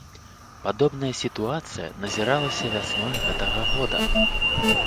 Падобная сітуацыя назіралася вясной гэтага года.